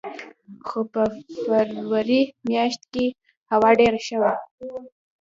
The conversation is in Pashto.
خو په فبروري میاشت کې هوا ډېره ښه وه.